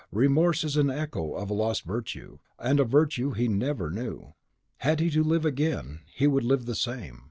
Remorse is the echo of a lost virtue, and virtue he never knew. Had he to live again, he would live the same.